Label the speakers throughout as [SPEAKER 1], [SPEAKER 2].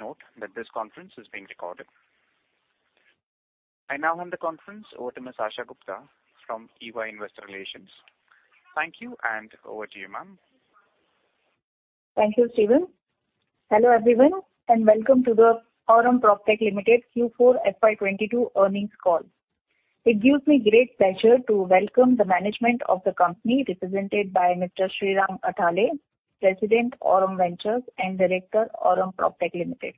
[SPEAKER 1] Please note that this conference is being recorded. I now hand the conference over to Miss Asha Gupta from EY Investor Relations. Thank you, and over to you, ma'am.
[SPEAKER 2] Thank you, Steven. Hello, everyone, and welcome to the Aurum PropTech Limited Q4 FY 2022 earnings call. It gives me great pleasure to welcome the management of the company represented by Mr. Srirang Athalye, President, Aurum Ventures and Director, Aurum PropTech Limited.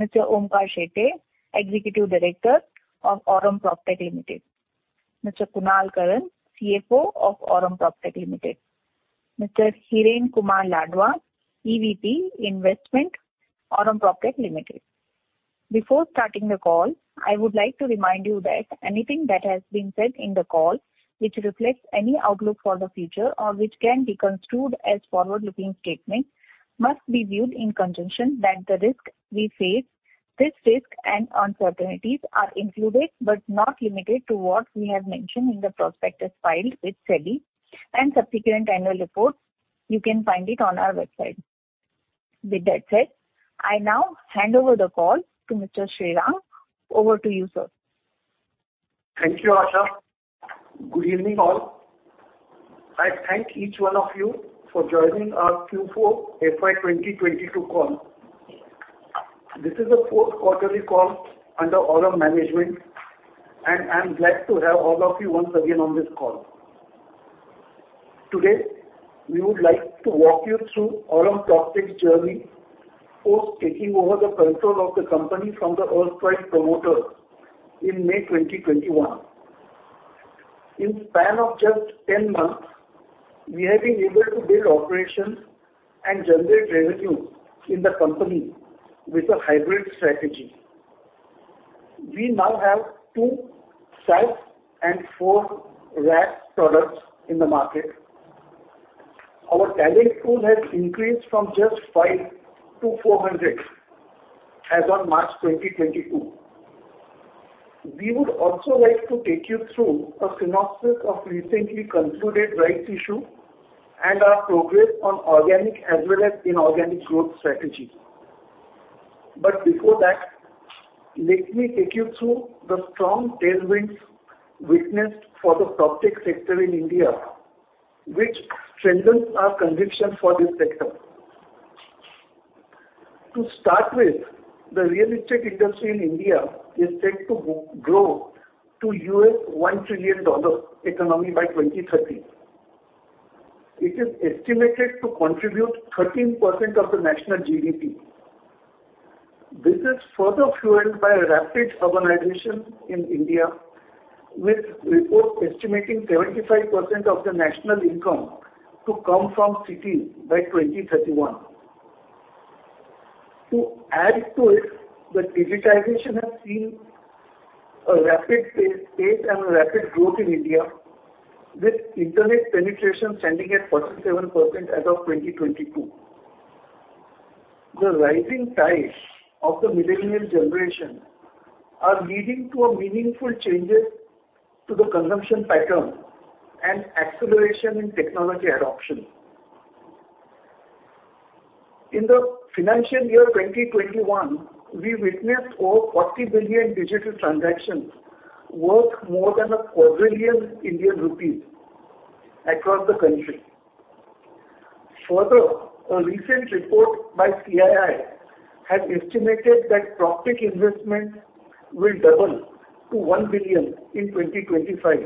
[SPEAKER 2] Mr. Onkar Shetye, Executive Director of Aurum PropTech Limited. Mr. Kunal Karan, CFO of Aurum PropTech Limited. Mr. Hiren Kumar Ladva, EVP, Investment, Aurum PropTech Limited. Before starting the call, I would like to remind you that anything that has been said in the call, which reflects any outlook for the future or which can be construed as forward-looking statements, must be viewed in conjunction with the risks we face. These risks and uncertainties are included, but not limited to what we have mentioned in the prospectus filed with SEBI and subsequent annual reports. You can find it on our website. With that said, I now hand over the call to Mr. Srirang. Over to you, sir.
[SPEAKER 3] Thank you, Asha. Good evening, all. I thank each one of you for joining our Q4 FY 2022 call. This is the fourth quarterly call under Aurum management, and I'm glad to have all of you once again on this call. Today, we would like to walk you through Aurum PropTech's journey post taking over the control of the company from the erstwhile promoter in May 2021. In span of just 10 months, we have been able to build operations and generate revenue in the company with a hybrid strategy. We now have 2 SaaS and 4 PaaS products in the market. Our talent pool has increased from just 5 to 400 as on March 2022. We would also like to take you through a synopsis of recently concluded rights issue and our progress on organic as well as inorganic growth strategy. Before that, let me take you through the strong tailwinds witnessed for the PropTech sector in India, which strengthens our conviction for this sector. To start with, the real estate industry in India is set to grow to a $1 trillion economy by 2030. It is estimated to contribute 13% of the national GDP. This is further fueled by rapid urbanization in India, with reports estimating 75% of the national income to come from cities by 2031. To add to it, the digitization has seen a rapid pace and rapid growth in India, with Internet penetration standing at 47% as of 2022. The rising tides of the millennial generation are leading to meaningful changes to the consumption pattern and acceleration in technology adoption. In the financial year 2021, we witnessed over 40 billion digital transactions worth more than INR 1 quadrillion across the country. Further, a recent report by CII has estimated that PropTech investment will double to $1 billion in 2025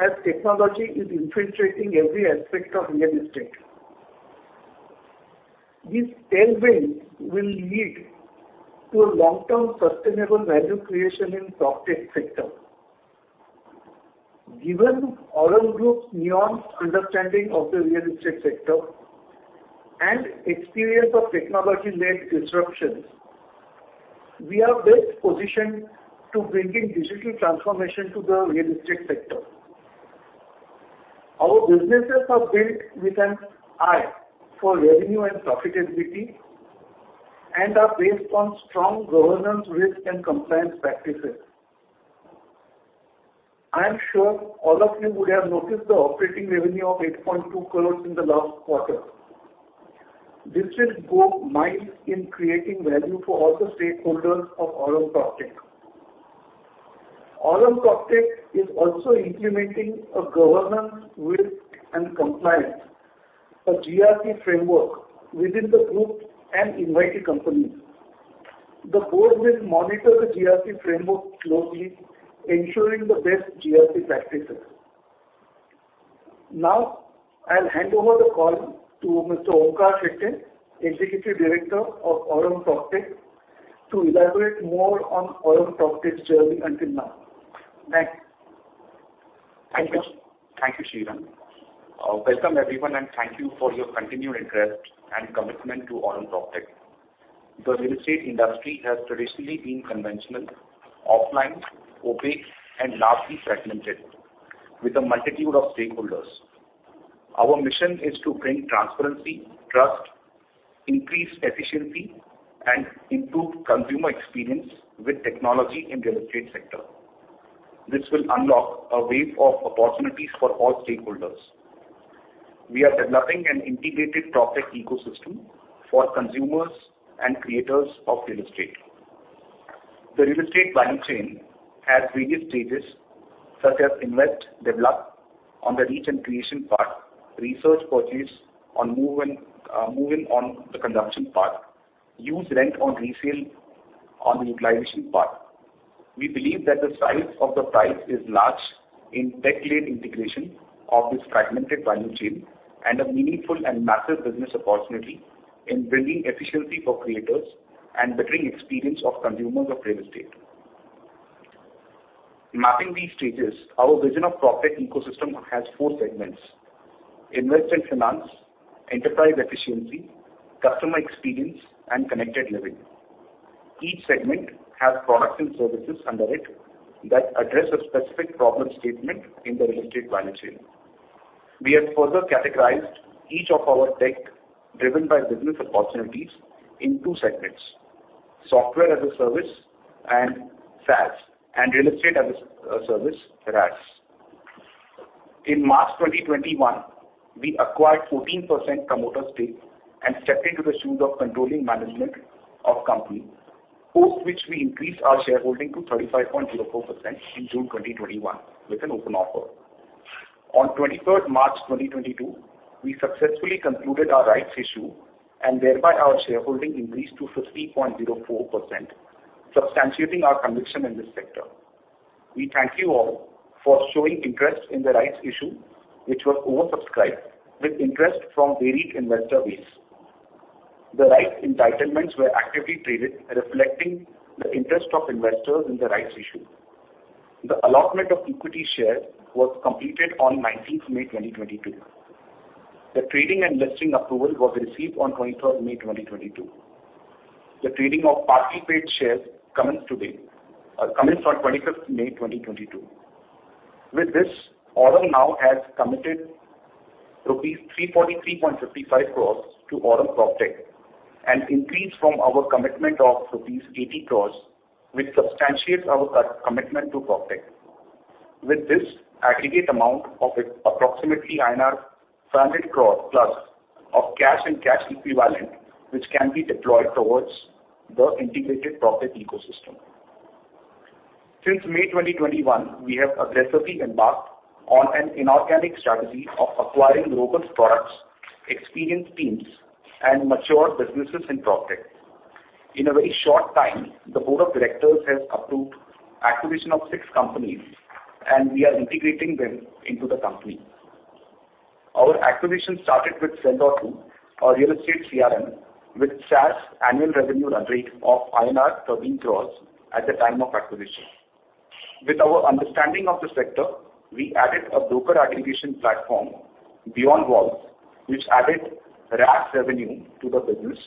[SPEAKER 3] as technology is infiltrating every aspect of real estate. These tailwinds will lead to a long-term sustainable value creation in PropTech sector. Given Aurum Group's nuanced understanding of the real estate sector and experience of technology-led disruptions, we are best positioned to bring in digital transformation to the real estate sector. Our businesses are built with an eye for revenue and profitability and are based on strong governance, risk, and compliance practices. I am sure all of you would have noticed the operating revenue of 8.2 crore in the last quarter. This will go miles in creating value for all the stakeholders of Aurum PropTech. Aurum PropTech is also implementing a governance, risk, and compliance, a GRC framework within the group and invited companies. The board will monitor the GRC framework closely, ensuring the best GRC practices. Now, I'll hand over the call to Mr. Onkar Shetye, Executive Director of Aurum PropTech, to elaborate more on Aurum PropTech's journey until now. Thanks. Over to you.
[SPEAKER 4] Thank you. Thank you, Srirang. Welcome, everyone, and thank you for your continued interest and commitment to Aurum PropTech. The real estate industry has traditionally been conventional, offline, opaque, and largely fragmented with a multitude of stakeholders. Our mission is to bring transparency, trust, increase efficiency, and improve consumer experience with technology in real estate sector. This will unlock a wave of opportunities for all stakeholders. We are developing an integrated PropTech ecosystem for consumers and creators of real estate. The real estate value chain has various stages, such as invest, develop on the research and creation part, research, purchase on move-in, move-in on the conduction part, use rent on resale on the utilization part. We believe that the size of the prize is large in tech-led integration of this fragmented value chain, and a meaningful and massive business opportunity in bringing efficiency for creators and bettering experience of consumers of real estate. Mapping these stages, our vision of PropTech ecosystem has four segments, invest and finance, enterprise efficiency, customer experience, and connected living. Each segment has products and services under it that address a specific problem statement in the real estate value chain. We have further categorized each of our tech, driven by business opportunities, in two segments: software as a service and SaaS, and real estate as a service, REaaS. In March 2021, we acquired 14% promoter stake and stepped into the shoes of controlling management of company, post which we increased our shareholding to 35.04% in June 2021 with an open offer. On 23rd March 2022, we successfully concluded our rights issue, and thereby our shareholding increased to 50.04%, substantiating our conviction in this sector. We thank you all for showing interest in the rights issue, which was oversubscribed with interest from varied investor base. The rights entitlements were actively traded, reflecting the interest of investors in the rights issue. The allotment of equity share was completed on 19th May 2022. The trading and listing approval was received on 23rd May 2022. The trading of partly paid shares commenced on 25th May 2022. With this, Aurum now has committed rupees 343.55 crores to Aurum PropTech, an increase from our commitment of rupees 80 crores, which substantiates our commitment to PropTech. With this aggregate amount of approximately INR 500 crore plus of cash and cash equivalent, which can be deployed towards the integrated PropTech ecosystem. Since May 2021, we have aggressively embarked on an inorganic strategy of acquiring robust products, experienced teams, and mature businesses in PropTech. In a very short time, the board of directors has approved acquisition of six companies, and we are integrating them into the company. Our acquisition started with Sell.do, a real estate CRM with SaaS annual revenue run rate of INR 13 crores at the time of acquisition. With our understanding of the sector, we added a broker aggregation platform, BeyondWalls, which added REaaS revenue to the business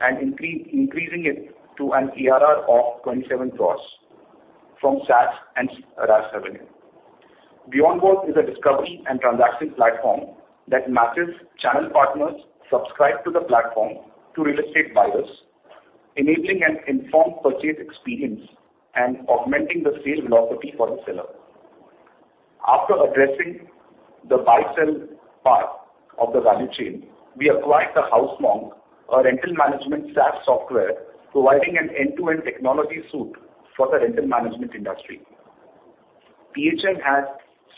[SPEAKER 4] and increasing it to an ARR of 27 crores from SaaS and REaaS revenue. BeyondWalls is a discovery and transaction platform that matches channel partners subscribed to the platform to real estate buyers, enabling an informed purchase experience and augmenting the sale velocity for the seller. After addressing the buy/sell part of the value chain, we acquired TheHouseMonk, a rental management SaaS software providing an end-to-end technology suite for the rental management industry. HM has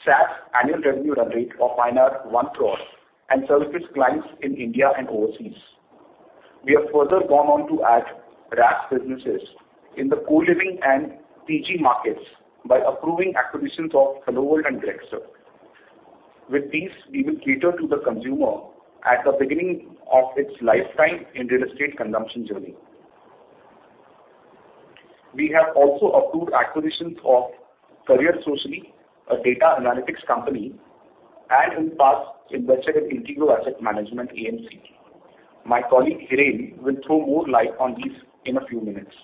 [SPEAKER 4] SaaS annual revenue run rate of 1 crore and services clients in India and overseas. We have further gone on to add REaaS businesses in the co-living and PG markets by approving acquisitions of HelloWorld and Grexter. With these, we will cater to the consumer at the beginning of its lifetime in real estate consumption journey. We have also approved acquisitions of CareerSocially, a data analytics company, and in past invested in Integrow Asset Management AMC. My colleague, Hiren Ladva, will throw more light on these in a few minutes.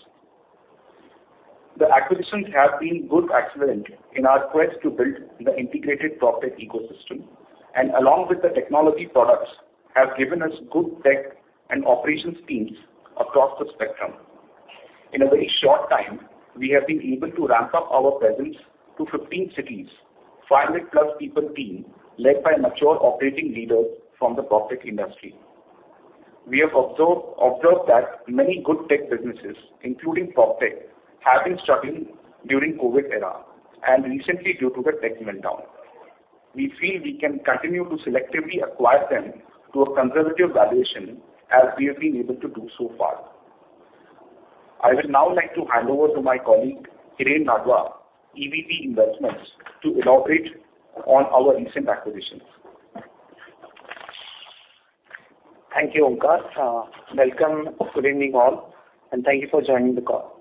[SPEAKER 4] The acquisitions have been good accelerant in our quest to build the integrated PropTech ecosystem, and along with the technology products, have given us good tech and operations teams across the spectrum. In a very short time, we have been able to ramp up our presence to 15 cities, 500+ people team led by mature operating leaders from the PropTech industry. We have observed that many good tech businesses, including PropTech, have been struggling during COVID era, and recently due to the tech meltdown. We feel we can continue to selectively acquire them to a conservative valuation as we have been able to do so far. I would now like to hand over to my colleague, Hiren Ladva, EVP, Investments, to elaborate on our recent acquisitions.
[SPEAKER 5] Thank you, Onkar. Welcome. Good evening all, and thank you for joining the call.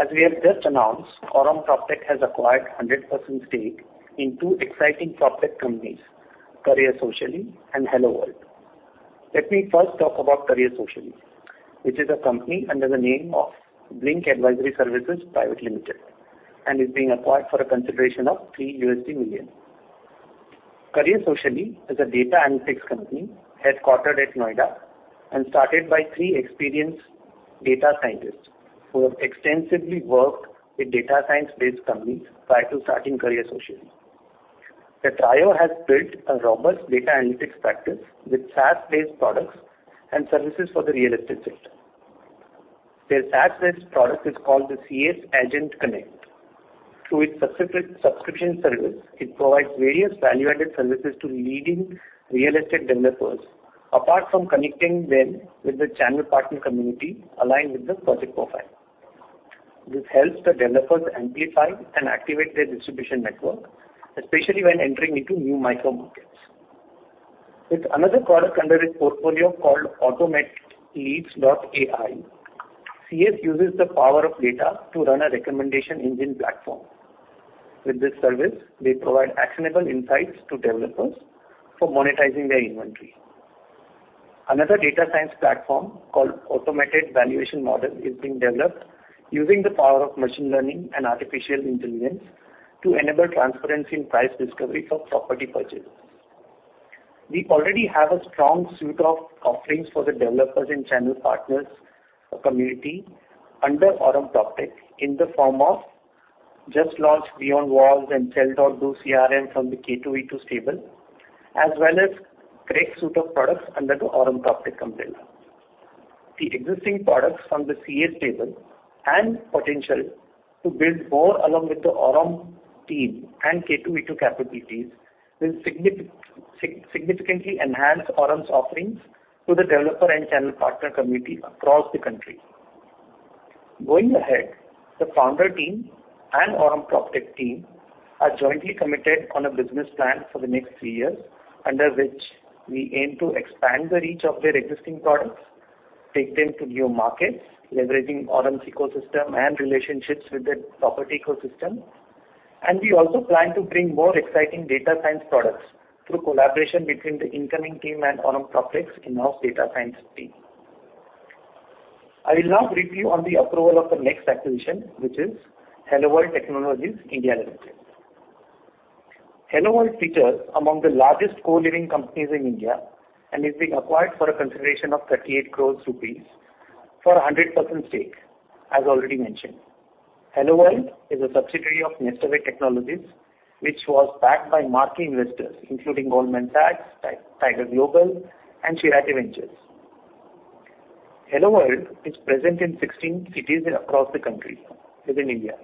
[SPEAKER 5] As we have just announced, Aurum PropTech has acquired 100% stake in two exciting PropTech companies, CareerSocially and HelloWorld. Let me first talk about CareerSocially, which is a company under the name of Blink Advisory Services Private Limited, and is being acquired for a consideration of $3 million. CareerSocially is a data analytics company headquartered at Noida and started by three experienced data scientists who have extensively worked with data science-based companies prior to starting CareerSocially. The trio has built a robust data analytics practice with SaaS-based products and services for the real estate sector. Their SaaS-based product is called Agent Connect. Through its subscription service, it provides various value-added services to leading real estate developers, apart from connecting them with the channel partner community aligned with the project profile. This helps the developers amplify and activate their distribution network, especially when entering into new micro markets. With another product under its portfolio called AutomateLeads.ai, CareerSocially uses the power of data to run a recommendation engine platform. With this service, they provide actionable insights to developers for monetizing their inventory. Another data science platform called Automated Valuation Model is being developed using the power of machine learning and artificial intelligence to enable transparency in price discovery for property purchases. We already have a strong suite of offerings for the developers and channel partners community under Aurum PropTech in the form of just launched BeyondWalls and Sell.do CRM from the K2V2 stable, as well as great suite of products under the Aurum PropTech umbrella. The existing products from the SaaS stable and potential to build more along with the Aurum team and K2V2 capabilities will significantly enhance Aurum's offerings to the developer and channel partner community across the country. Going ahead, the founder team and Aurum PropTech team are jointly committed on a business plan for the next three years, under which we aim to expand the reach of their existing products, take them to new markets, leveraging Aurum's ecosystem and relationships with the property ecosystem. We also plan to bring more exciting data science products through collaboration between the incoming team and Aurum PropTech's in-house data science team. I will now brief you on the approval of the next acquisition, which is HelloWorld Technologies India Private Limited. HelloWorld features among the largest co-living companies in India, and is being acquired for a consideration of 38 crore rupees for a 100% stake, as already mentioned. HelloWorld is a subsidiary of Nestaway Technologies, which was backed by marquee investors, including Goldman Sachs, Tiger Global, and Chiratae Ventures. HelloWorld is present in 16 cities across the country within India.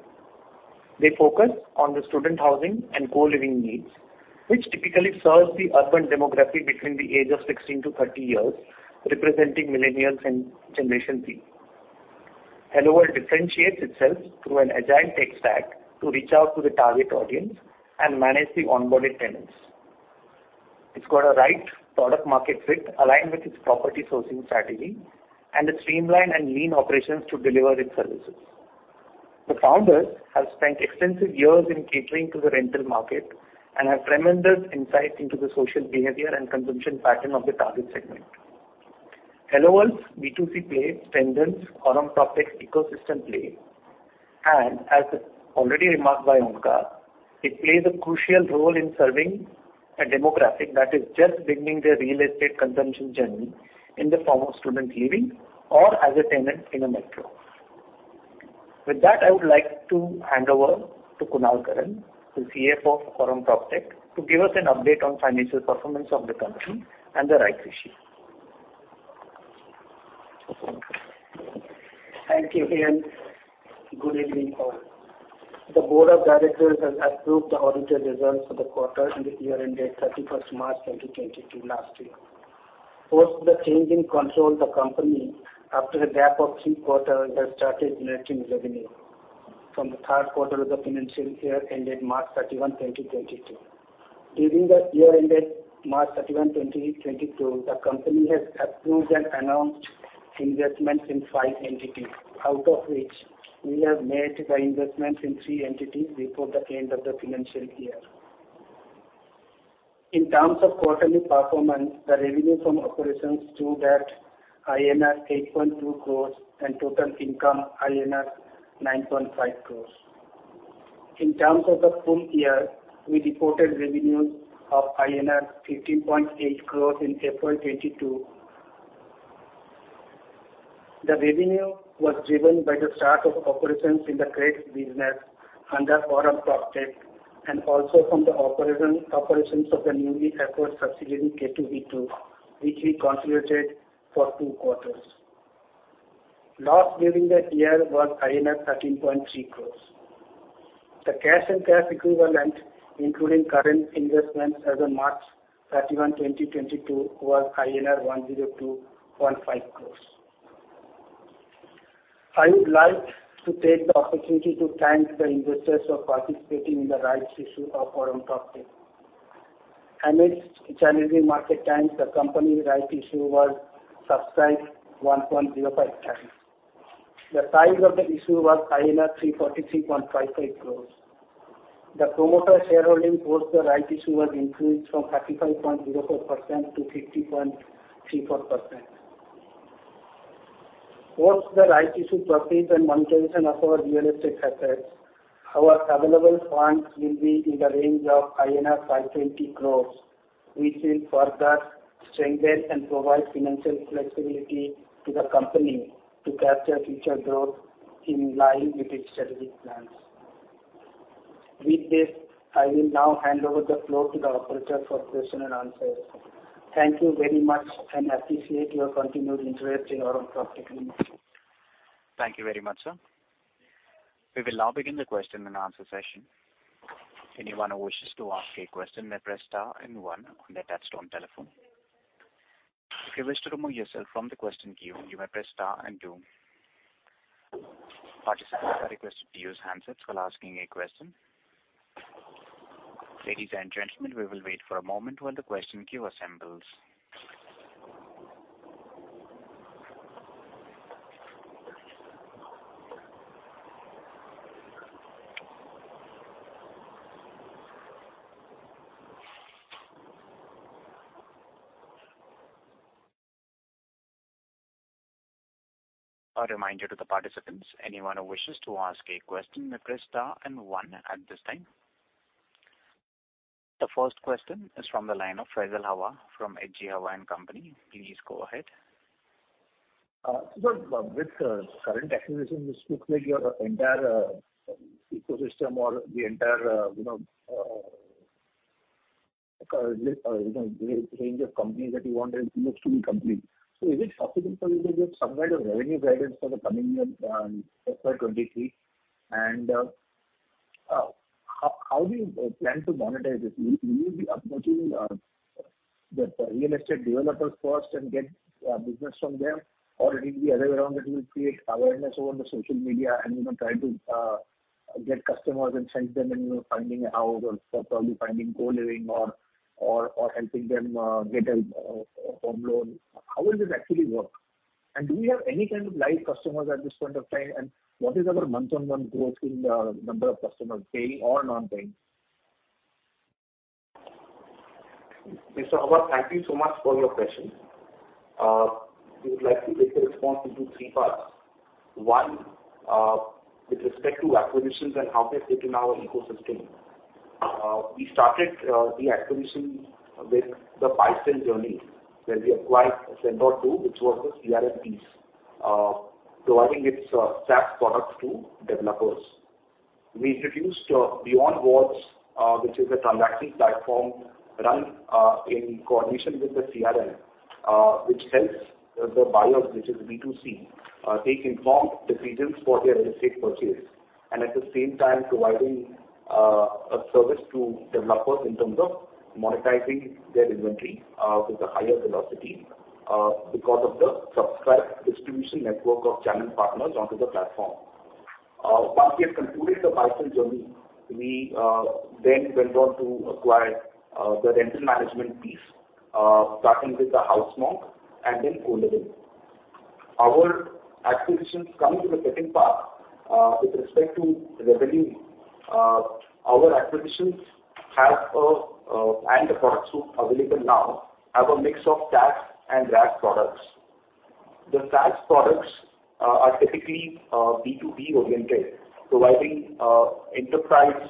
[SPEAKER 5] They focus on the student housing and co-living needs, which typically serves the urban demography between the age of 16 years-30 years, representing millennials and Generation Z. HelloWorld differentiates itself through an agile tech stack to reach out to the target audience and manage the onboarded tenants. It's got a right product market fit aligned with its property sourcing strategy and a streamlined and lean operations to deliver its services. The founders have spent extensive years in catering to the rental market and have tremendous insight into the social behavior and consumption pattern of the target segment. HelloWorld's B2C play strengthens Aurum PropTech's ecosystem play. As already remarked by Onkar, it plays a crucial role in serving a demographic that is just beginning their real estate consumption journey in the form of student living or as a tenant in a metro. With that, I would like to hand over to Kunal Karan, the CFO of Aurum PropTech, to give us an update on financial performance of the company and the rights issue.
[SPEAKER 6] Thank you, Hiren. Good evening all. The board of directors has approved the audited results for the quarter and the year ended 31 March 2022 last year. Post the change in control, the company, after a gap of three quarters, has started generating revenue from the third quarter of the financial year ended 31 March 2022. During the year ended 31 March 2022, the company has approved and announced investments in five entities, out of which we have made the investments in three entities before the end of the financial year. In terms of quarterly performance, the revenue from operations stood at INR 8.2 crores, and total income INR 9.5 crores. In terms of the full year, we reported revenues of INR 15.8 crores in FY 2022. The revenue was driven by the start of operations in the credits business under Aurum PropTech, and also from the operations of the newly acquired subsidiary, K2V2, which we consolidated for two quarters. Loss during the year was 13.3 crores. The cash and cash equivalent, including current investments as of March 31, 2022, was INR 102.5 crores. I would like to take the opportunity to thank the investors for participating in the rights issue of Aurum PropTech. Amidst challenging market times, the company rights issue was subscribed 1.05x. The size of the issue was 343.55 crores. The promoter shareholding post the rights issue was increased from 35.04%-50.34%. Post the rights issue purpose and monetization of our real estate assets. Our available funds will be in the range of INR 520 crores, which will further strengthen and provide financial flexibility to the company to capture future growth in line with its strategic plans. With this, I will now hand over the floor to the operator for question and answers. Thank you very much and appreciate your continued interest in Aurum PropTech Limited.
[SPEAKER 1] Thank you very much, sir. We will now begin the question and answer session. Anyone who wishes to ask a question may press star and one on their touch-tone telephone. If you wish to remove yourself from the question queue, you may press star and two. Participants are requested to use handsets while asking a question. Ladies and gentlemen, we will wait for a moment while the question queue assembles. A reminder to the participants, anyone who wishes to ask a question may press star and one at this time. The first question is from the line of Faisal Hawa from H.G. Hawa & Co. Please go ahead.
[SPEAKER 7] With the current acquisition, this looks like your entire ecosystem or the entire, you know, range of companies that you want. It looks to be complete. Is it possible for you to give some kind of revenue guidance for the coming year, FY 2023? How do you plan to monetize this? Will you be approaching the real estate developers first and get business from them? Or it will be the other way around that you will create awareness over the social media and, you know, try to get customers and channel them and, you know, finding a house or probably finding co-living or helping them get a home loan. How will this actually work? Do you have any kind of live customers at this point of time? What is our month-on-month growth in the number of customers, paying or non-paying?
[SPEAKER 4] Mr. Hawa, thank you so much for your question. We would like to take the response into three parts. One, with respect to acquisitions and how they fit in our ecosystem. We started the acquisition with the buy-sell journey, where we acquired K2V2, which was a CRM piece, providing its SaaS products to developers. We introduced BeyondWalls, which is a transacting platform run in coordination with the CRM, which helps the buyers, which is B2C, make informed decisions for their real estate purchase. At the same time, providing a service to developers in terms of monetizing their inventory with a higher velocity because of the subscribed distribution network of channel partners onto the platform. Once we have concluded the buy-sell journey, we then went on to acquire the rental management piece, starting with TheHouseMonk and then co-living. Our acquisitions, coming to the second part, with respect to revenue, our acquisitions and the products available now have a mix of SaaS and PaaS products. The SaaS products are typically B2B oriented, providing enterprise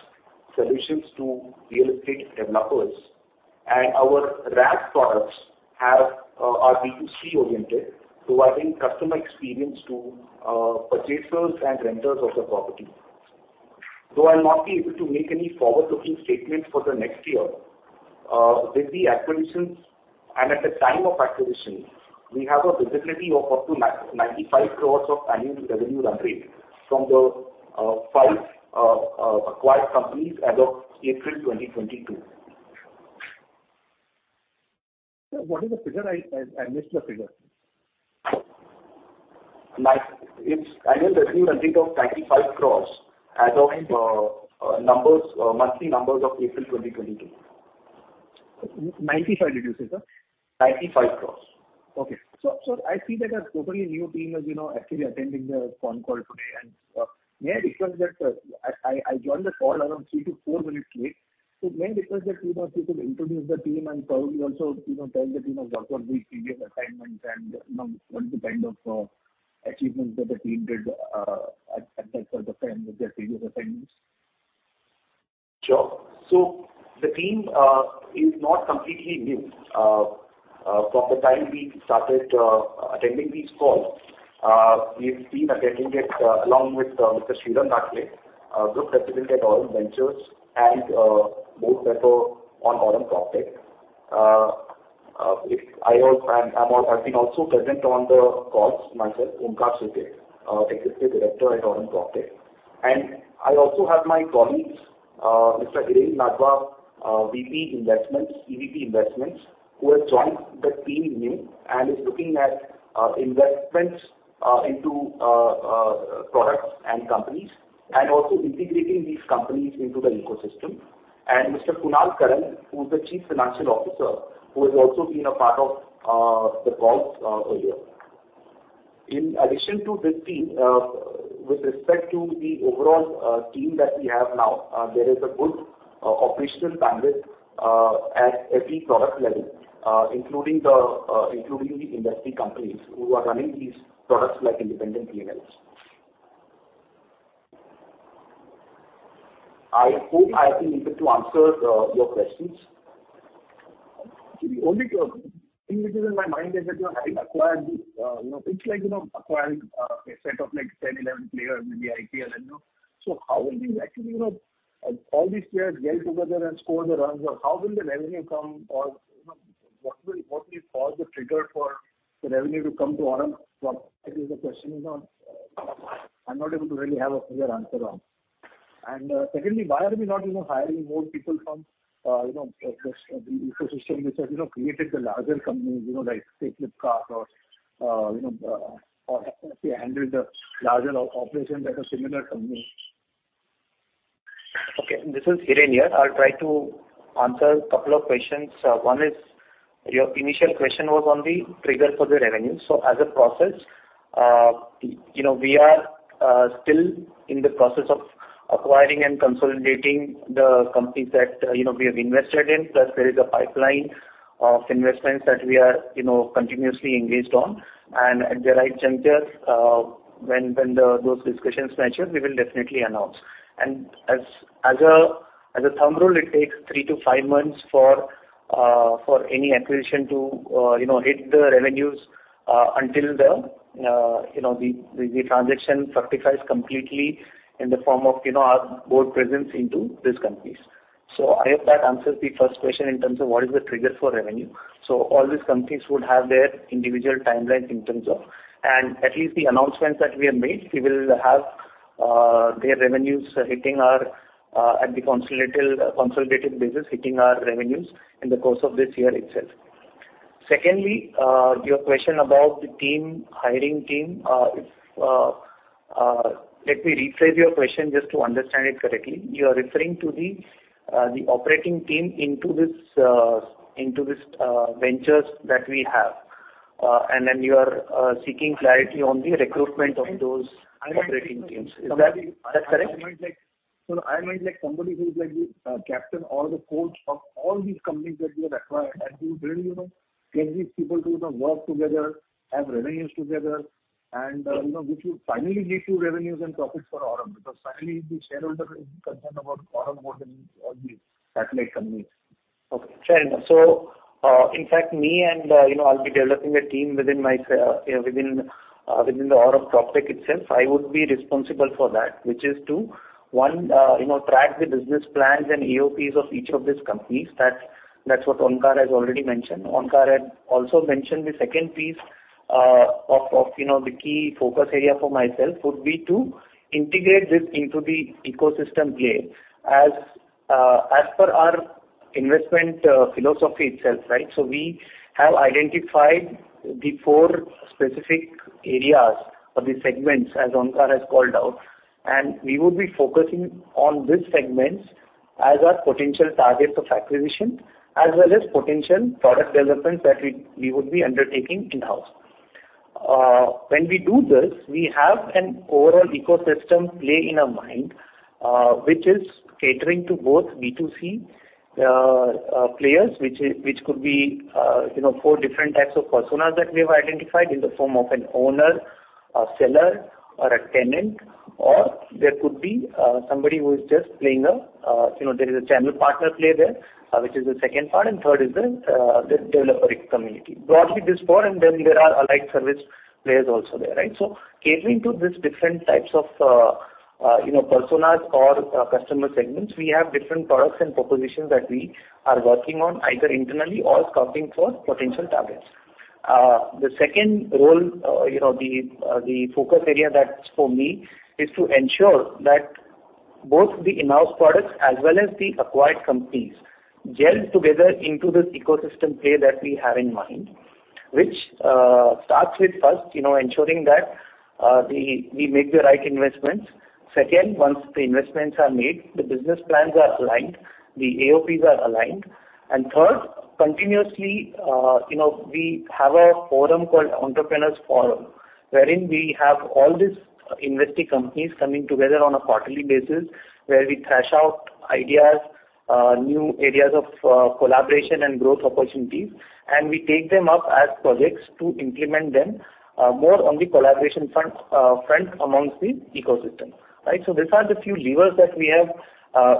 [SPEAKER 4] solutions to real estate developers. Our PaaS products are B2C oriented, providing customer experience to purchasers and renters of the property. Though I'll not be able to make any forward-looking statements for the next year, with the acquisitions and at the time of acquisition, we have a visibility of up to 995 crores of annual revenue run rate from the five acquired companies as of April 2022.
[SPEAKER 7] Sir, what is the figure? I missed the figure.
[SPEAKER 4] It's annual revenue run rate of 95 crores as of monthly numbers of April 2022.
[SPEAKER 7] 95 did you say, sir?
[SPEAKER 4] 95 crores.
[SPEAKER 7] I see that a totally new team has, you know, actually attending the phone call today. May I request that I joined the call around 3-4 minutes late. May I request that, you know, if you could introduce the team and probably also, you know, tell the team of what are their previous assignments and, you know, what is the kind of achievements that the team did at that point of time with their previous assignments?
[SPEAKER 4] Sure. The team is not completely new. From the time we started attending these calls, we've been attending it along with Mr. Srirang Athalye, Group President at Aurum Ventures and Board Member on Aurum PropTech. I've been also present on the calls myself, Onkar Shetye, Executive Director at Aurum PropTech. I also have my colleagues, Mr. Hiren Kumar Ladva, EVP Investments, who has joined the team new and is looking at investments into products and companies, and also integrating these companies into the ecosystem. Mr. Kunal Karan, who is the Chief Financial Officer, who has also been a part of the calls earlier. In addition to this team, with respect to the overall team that we have now, there is a good operational bandwidth at every product level, including the industry companies who are running these products like independent PNLs. I hope I have been able to answer your questions.
[SPEAKER 7] Actually, only thing which is in my mind is that you have acquired these, you know, it's like, you know, acquiring a set of like 10, 11 players in the IPL, you know. How will these actually, you know, all these players gel together and score the runs, or how will the revenue come, or, you know, what will cause the trigger for the revenue to come to Aurum? That is the question is, I'm not able to really have a clear answer on. Secondly, why are we not, you know, hiring more people from, you know, the ecosystem which has, you know, created the larger companies, you know, like, say, Flipkart or, you know, or say, handled the larger operations at a similar company?
[SPEAKER 5] Okay, this is Hiren here. I'll try to answer a couple of questions. One is your initial question was on the trigger for the revenue. As a process, you know, we are still in the process of acquiring and consolidating the companies that, you know, we have invested in, plus there is a pipeline of investments that we are, you know, continuously engaged on. At the right juncture, when those discussions mature, we will definitely announce. As a thumb rule, it takes 3-5 months for any acquisition to, you know, hit the revenues, until the, you know, the transaction fructifies completely in the form of, you know, our board presence into these companies. I hope that answers the first question in terms of what is the trigger for revenue. All these companies would have their individual timelines in terms of. At least the announcements that we have made, we will have their revenues hitting our on a consolidated basis, hitting our revenues in the course of this year itself. Secondly, your question about the team, hiring team. Let me rephrase your question just to understand it correctly. You are referring to the operating team into these ventures that we have. And then you are seeking clarity on the recruitment of those operating teams. Is that correct?
[SPEAKER 7] I might like somebody who is like the captain or the coach of all these companies that we have acquired, and who will, you know, get these people to, you know, work together, have revenues together, and, you know, which will finally lead to revenues and profits for Aurum. Because finally the shareholder is concerned about Aurum more than all these satellite companies.
[SPEAKER 5] Okay, fair enough. In fact, me and, you know, I'll be developing a team within the Aurum PropTech itself. I would be responsible for that, which is to one, you know, track the business plans and AOPs of each of these companies. That's what Onkar has already mentioned. Onkar had also mentioned the second piece of, you know, the key focus area for myself would be to integrate this into the ecosystem play. As per our investment philosophy itself, right? We have identified the four specific areas or the segments, as Onkar has called out, and we would be focusing on these segments as our potential targets of acquisition, as well as potential product developments that we would be undertaking in-house. When we do this, we have an overall ecosystem play in our mind, which is catering to both B2C players, which could be you know four different types of personas that we have identified in the form of an owner, a seller or a tenant, or there could be somebody who is just playing a you know there is a channel partner play there, which is the second part, and third is the developer community. Broadly this four, and then there are allied service players also there, right? Catering to these different types of you know personas or customer segments, we have different products and propositions that we are working on, either internally or scouting for potential targets. The second role, you know, the focus area that's for me is to ensure that both the in-house products as well as the acquired companies gel together into this ecosystem play that we have in mind, which starts with first, you know, ensuring that we make the right investments. Second, once the investments are made, the business plans are aligned, the AOPs are aligned. Third, continuously, you know, we have a forum called Entrepreneurs Forum, wherein we have all these investee companies coming together on a quarterly basis where we thrash out ideas, new areas of collaboration and growth opportunities, and we take them up as projects to implement them, more on the collaboration front amongst the ecosystem, right? These are the few levers that we have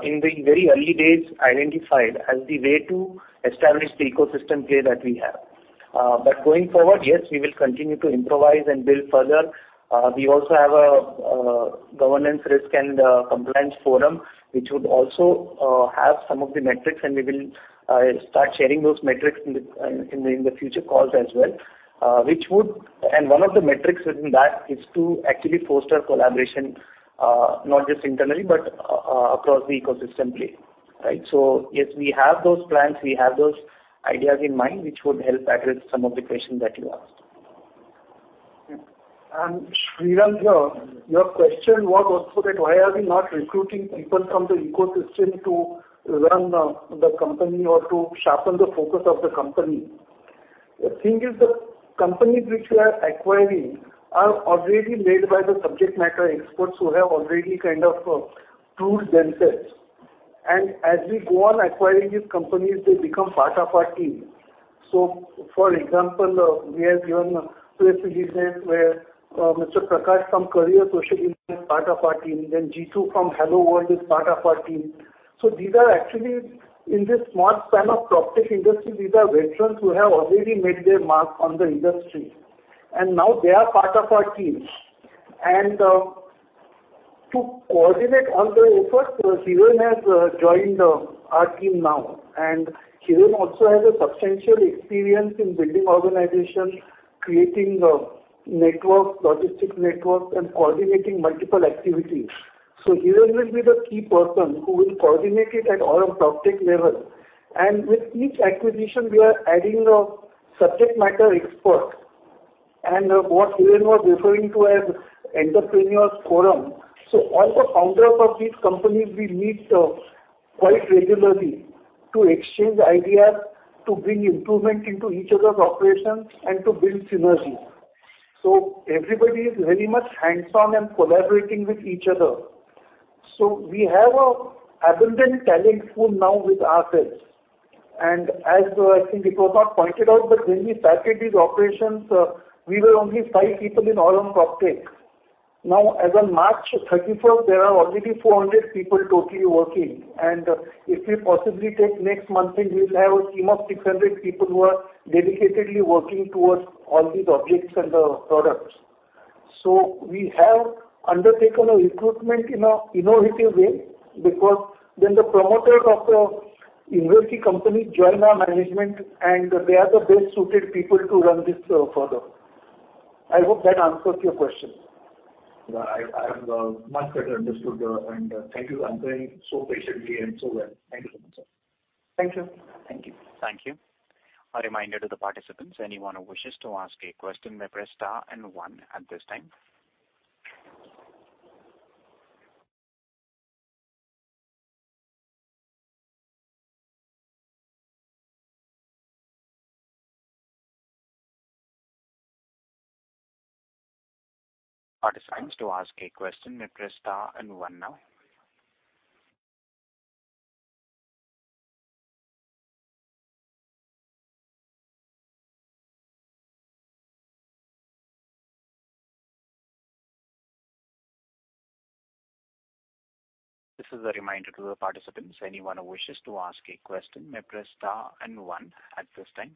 [SPEAKER 5] in the very early days identified as the way to establish the ecosystem play that we have. But going forward, yes, we will continue to improvise and build further. We also have a governance, risk and compliance forum, which would also have some of the metrics, and we will start sharing those metrics in the future calls as well. One of the metrics within that is to actually foster collaboration, not just internally, but across the ecosystem play, right? Yes, we have those plans, we have those ideas in mind, which would help address some of the questions that you asked.
[SPEAKER 3] Srirang, your question was also that why are we not recruiting people from the ecosystem to run the company or to sharpen the focus of the company? The thing is the companies which we are acquiring are already led by the subject matter experts who have already kind of proved themselves. As we go on acquiring these companies, they become part of our team. For example, we have given a few examples where Mr. Prakash from CareerSocially is part of our team, then Jitendra from HelloWorld is part of our team. These are actually in this small span of PropTech industry, these are veterans who have already made their mark on the industry, and now they are part of our team. To coordinate all the efforts, Hiren has joined our team now. Hiren also has a substantial experience in building organizations, creating networks, logistic networks, and coordinating multiple activities. Hiren will be the key person who will coordinate it at Aurum PropTech level. With each acquisition we are adding a subject matter expert and what Hiren was referring to as Entrepreneurs Forum. All the founders of these companies we meet quite regularly to exchange ideas, to bring improvement into each other's operations and to build synergy. Everybody is very much hands-on and collaborating with each other. We have an abundant talent pool now with ourselves. As I think Onkar pointed out that when we started these operations, we were only five people in Aurum PropTech. Now as on March 31st, there are already 400 people totally working. If we possibly take next month in, we'll have a team of 600 people who are dedicatedly working towards all these objectives and the products. We have undertaken a recruitment in an innovative way because then the promoters of the investee company join our management and they are the best suited people to run this further. I hope that answers your question.
[SPEAKER 7] Yeah. I've much better understood, and thank you for answering so patiently and so well. Thank you so much, sir.
[SPEAKER 3] Thank you.
[SPEAKER 5] Thank you.
[SPEAKER 1] Thank you. A reminder to the participants, anyone who wishes to ask a question, may press star and one at this time. Participants to ask a question, may press star and one now. This is a reminder to the participants, anyone who wishes to ask a question, may press star and one at this time.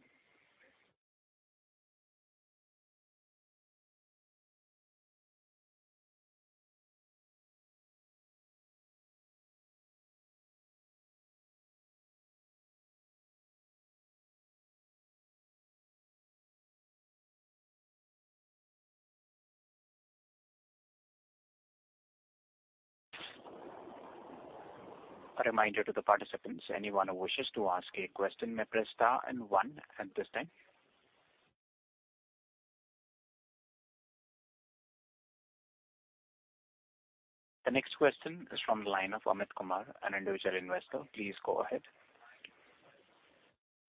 [SPEAKER 1] A reminder to the participants, anyone who wishes to ask a question, may press star and one at this time. The next question is from the line of Amit Kumar, an individual investor. Please go ahead.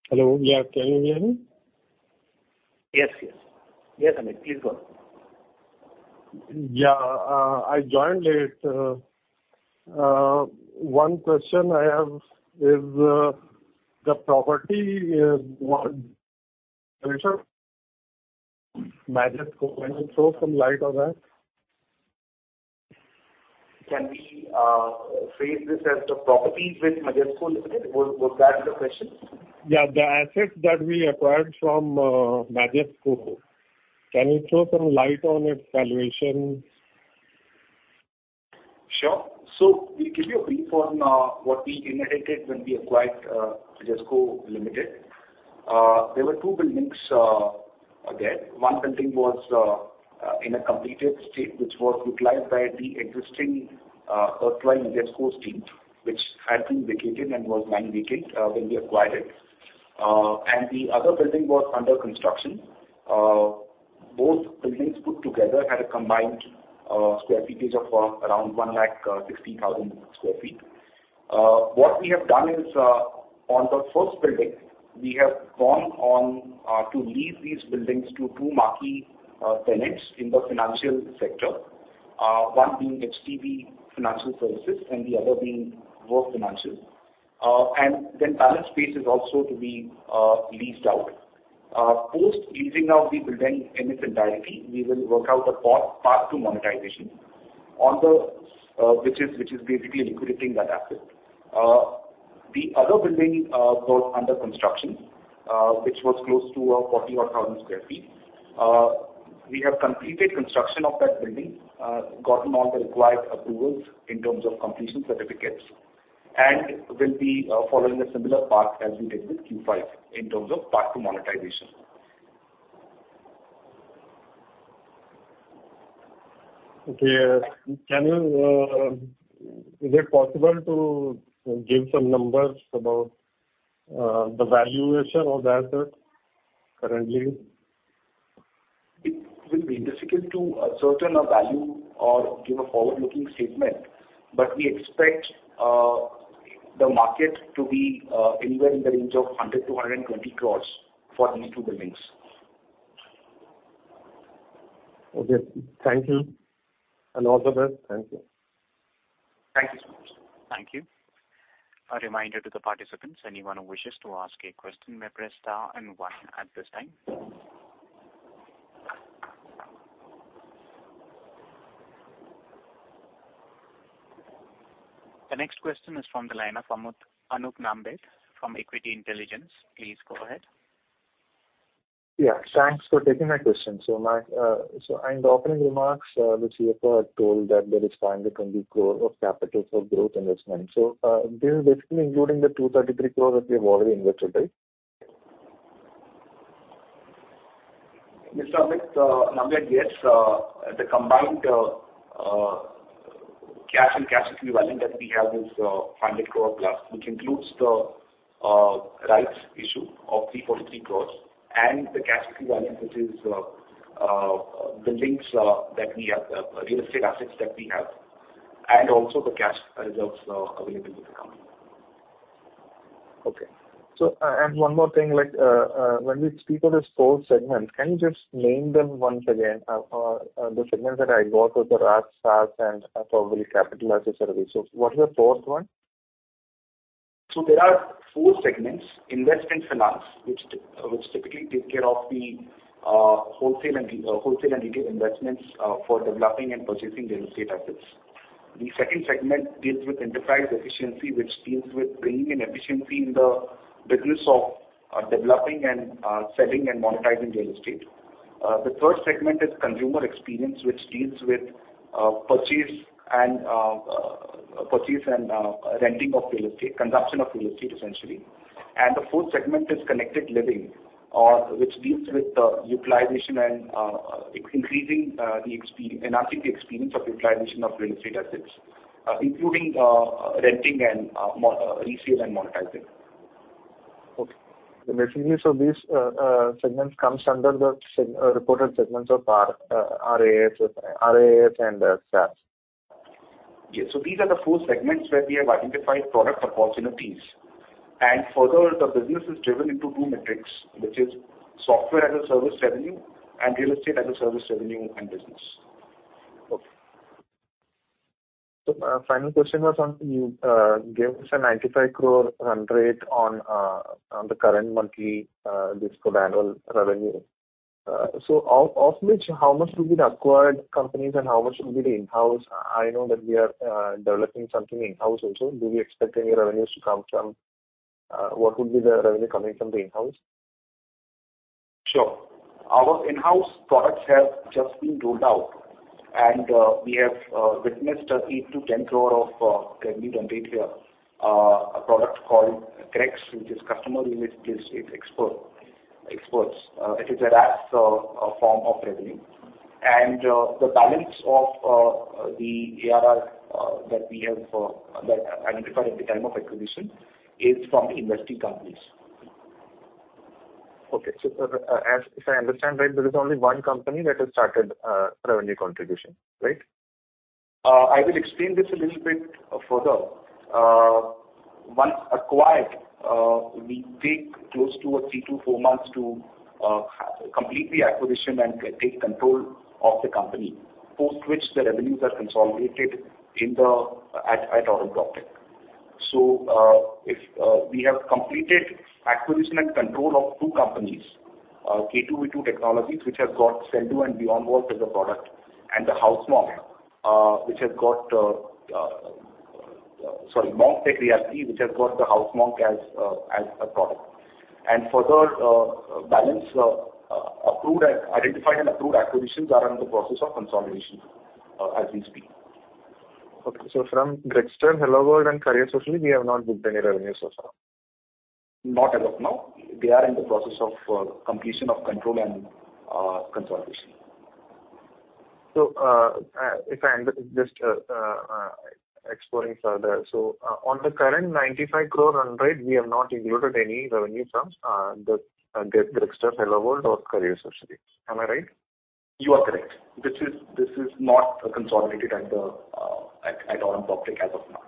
[SPEAKER 8] Hello. Are you hearing me?
[SPEAKER 4] Yes, yes. Yes, Amit, please go on.
[SPEAKER 8] Yeah. I joined late. One question I have is, the property, what Kanishka, Majesco, can you throw some light on that?
[SPEAKER 4] Can we phrase this as the property with Majesco Limited? Was that the question?
[SPEAKER 8] Yeah. The assets that we acquired from Majesco, can you throw some light on its valuation?
[SPEAKER 4] Sure. We'll give you a brief on what we inherited when we acquired Majesco Limited. There were two buildings there. One building was in a completed state, which was utilized by the existing Earthline-Majesco team, which had been vacated and was lying vacant when we acquired it. The other building was under construction. Both buildings put together had a combined square footage of around 160,000 sq ft. What we have done is, on the first building, we have gone on to lease these buildings to two marquee tenants in the financial sector, one being HDB Financial Services and the other being Worth Financial. Then balance space is also to be leased out. Post leasing of the building in its entirety, we will work out a path to monetization, which is basically liquidating that asset. The other building was under construction, which was close to 41,000 sq ft. We have completed construction of that building, gotten all the required approvals in terms of completion certificates, and we'll be following a similar path as we did with Q5 in terms of path to monetization.
[SPEAKER 8] Okay. Is it possible to give some numbers about the valuation of the asset currently?
[SPEAKER 4] It will be difficult to ascertain a value or give a forward-looking statement, but we expect the market to be anywhere in the range of 100 crore-120 crore for these two buildings.
[SPEAKER 8] Okay. Thank you and all the best. Thank you.
[SPEAKER 4] Thank you so much.
[SPEAKER 1] Thank you. A reminder to the participants, anyone who wishes to ask a question may press star and one at this time. The next question is from the line of Anoop Nambiar from Equity Intelligence. Please go ahead.
[SPEAKER 9] Yeah. Thanks for taking my question. In the opening remarks, the CFO had told that there is 520 crore of capital for growth investment. This is basically including the 233 crore that we have already invested, right?
[SPEAKER 4] Mr. Anoop Nambiar, yes, the combined cash and cash equivalent that we have is 500 crore plus, which includes the rights issue of 343 crores and the cash equivalent, which is the liquid assets that we have, the real estate assets that we have, and also the cash reserves available with the company.
[SPEAKER 9] Okay, one more thing, like, when we speak of this four segments, can you just name them once again? The segments that I got was the REaaS, SaaS, and probably Capital as a Service. What is the fourth one?
[SPEAKER 4] There are four segments. Investment finance, which typically take care of the wholesale and retail investments for developing and purchasing real estate assets. The second segment deals with enterprise efficiency, which deals with bringing in efficiency in the business of developing and selling and monetizing real estate. The third segment is consumer experience, which deals with purchase and renting of real estate, consumption of real estate, essentially. The fourth segment is connected living, which deals with the utilization and enhancing the experience of utilization of real estate assets, including renting and resale and monetizing.
[SPEAKER 9] Basically, these segments comes under the reported segments of REaaS and the SaaS.
[SPEAKER 4] Yes. These are the four segments where we have identified product opportunities. Further, the business is driven into two metrics, which is Software as a Service revenue and Real Estate as a Service revenue and business.
[SPEAKER 9] Okay. Final question was on, you gave us 95 crore run rate on the current monthly discounted annual revenue. Of which, how much would be the acquired companies and how much would be the in-house? I know that we are developing something in-house also. Do we expect any revenues to come from what would be the revenue coming from the in-house?
[SPEAKER 4] Sure. Our in-house products have just been rolled out, and we have witnessed a 3 crore-10 crore revenue run rate here. A product called CREx, which is Customer Relationship Experts. It is a REaaS form of revenue. The balance of the ARR that we have identified at the time of acquisition is from investee companies.
[SPEAKER 9] As I understand right, there is only one company that has started revenue contribution, right?
[SPEAKER 4] I will explain this a little bit further. Once acquired, we take close to 3 months-4 months to complete the acquisition and take control of the company. Post which the revenues are consolidated at Aurum PropTech. If we have completed acquisition and control of two companies, K2V2 Technologies, which has got Sell.do and BeyondWalls as a product, and TheHouseMonk, which has got Monk Tech Labs, which has got TheHouseMonk as a product. Further, balance identified and approved acquisitions are under the process of consolidation, as we speak.
[SPEAKER 9] Okay. From Grexter, HelloWorld, and CareerSocially, we have not booked any revenue so far?
[SPEAKER 4] Not as of now. They are in the process of completion of control and consolidation.
[SPEAKER 9] Exploring further. On the current 95 crore run rate, we have not included any revenue from the Grexter, HelloWorld, or CareerSocially. Am I right?
[SPEAKER 4] You are correct. This is not consolidated under at Aurum PropTech as of now.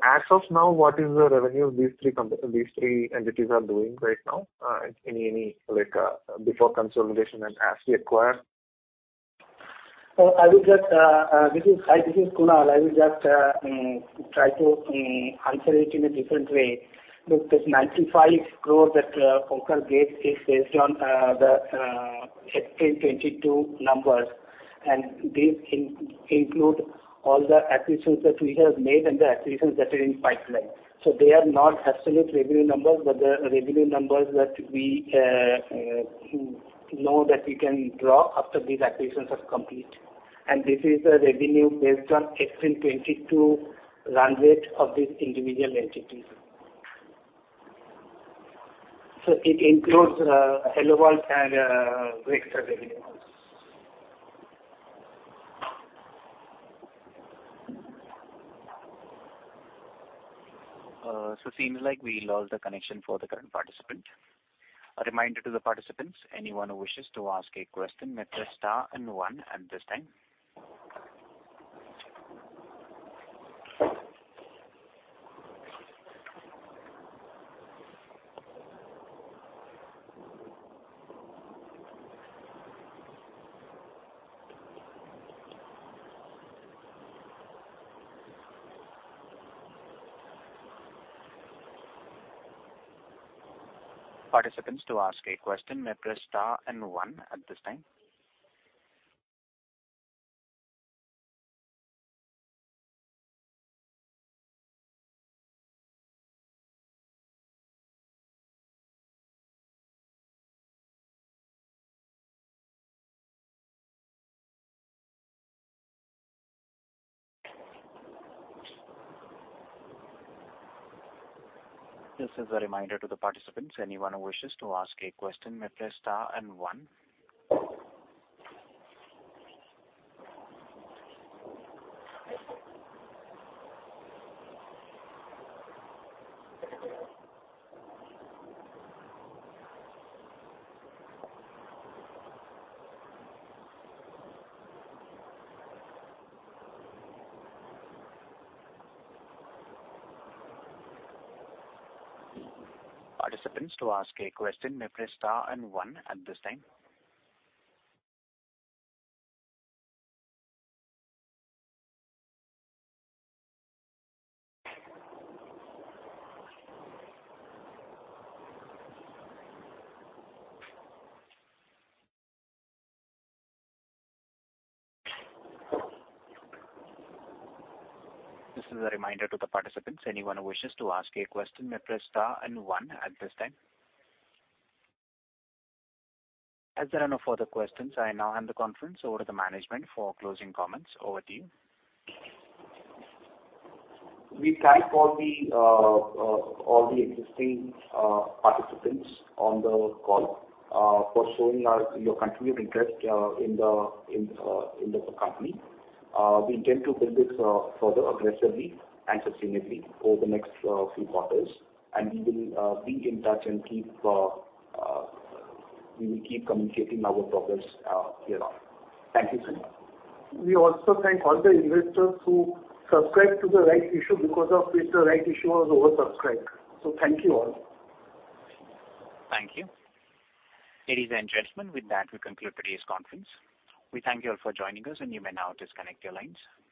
[SPEAKER 9] As of now, what is the revenue these three entities are doing right now? Any, like, before consolidation and as we acquire?
[SPEAKER 6] This is Kunal. I would just try to answer it in a different way. Look, this 95 crore that Onkar gave is based on the FY22 numbers, and this includes all the acquisitions that we have made and the acquisitions that are in pipeline. They are not absolute revenue numbers, but they are revenue numbers that we know that we can draw after these acquisitions are complete. This is the revenue based on FY22 run rate of these individual entities. It includes HelloWorld and Grexter revenue also.
[SPEAKER 1] Seems like we lost the connection for the current participant. A reminder to the participants, anyone who wishes to ask a question may press star and one at this time. Participants, to ask a question may press star and one at this time. This is a reminder to the participants. Anyone who wishes to ask a question, may press star and one. Participants, to ask a question may press star and one at this time. This is a reminder to the participants. Anyone who wishes to ask a question, may press star and one at this time. As there are no further questions, I now hand the conference over to the management for closing comments. Over to you.
[SPEAKER 4] We thank all the existing participants on the call for showing us your continued interest in the company. We intend to build it further aggressively and sustainably over the next few quarters, and we will be in touch and keep communicating our progress hereon. Thank you so much.
[SPEAKER 3] We also thank all the investors who subscribed to the rights issue because of which the rights issue was oversubscribed. Thank you all.
[SPEAKER 1] Thank you. Ladies and gentlemen, with that, we conclude today's conference. We thank you all for joining us, and you may now disconnect your lines.